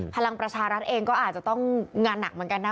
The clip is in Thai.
พลังประชารัฐเองก็อาจจะต้องงานหนักเหมือนกันนะ